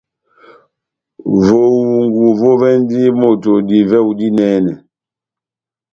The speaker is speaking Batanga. Vohungu vovɛndi moto divɛhu dinɛnɛ.